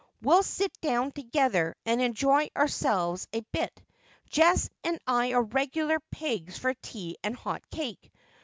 We'll sit down together, and enjoy ourselves a bit. Jess and I are regular pigs for tea and hot cake.